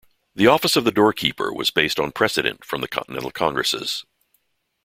The Office of the Doorkeeper was based on precedent from the Continental Congresses.